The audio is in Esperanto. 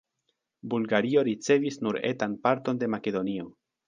Bulgario ricevis nur etan parton de Makedonio.